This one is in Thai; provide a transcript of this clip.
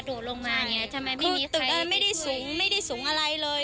ตึกไม่ได้สูงไม่ได้สูงอะไรเลย